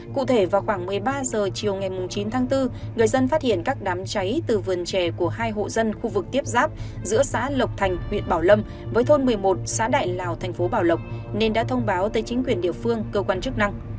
cụ thể vào khoảng một mươi ba h chiều ngày chín tháng bốn người dân phát hiện các đám cháy từ vườn trè của hai hộ dân khu vực tiếp giáp giữa xã lộc thành huyện bảo lâm với thôn một mươi một xã đại lào thành phố bảo lộc nên đã thông báo tới chính quyền địa phương cơ quan chức năng